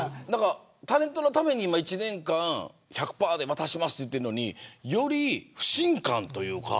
タレントのために１年間１００％で渡しますと言ってるのにより不信感というか。